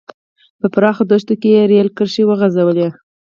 په پراخو دښتو کې یې رېل کرښې وغځولې.